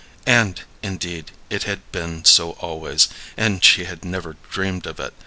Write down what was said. And, indeed, it had been so always, and she had never dreamed of it.